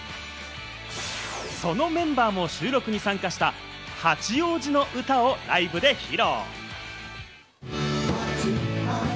そのメンバーも収録に参加した『八王子のうた』をライブで披露。